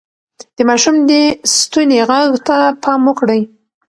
د ماشوم د ستوني غږ ته پام وکړئ.